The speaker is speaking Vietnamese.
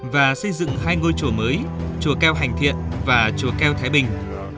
và xây dựng hai ngôi chùa mới chùa keo hành thiện và chùa keo thái bình